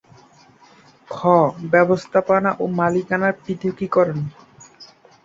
খ. ব্যবস্থাপনা ও মালিকানার পৃথকীকরণ